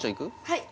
はい！